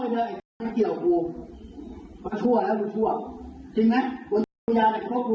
ไม่รับใจมันมีแรงหลายอย่างหู